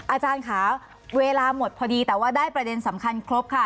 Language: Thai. อาจารย์ค่ะเวลาหมดพอดีแต่ว่าได้ประเด็นสำคัญครบค่ะ